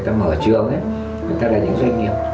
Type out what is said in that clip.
người ta mở trường ấy người ta là những doanh nghiệp